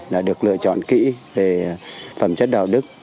là được lựa chọn kỹ về phẩm chất đạo đức